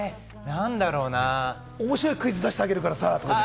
面白いクイズ出してあげるからさあとか。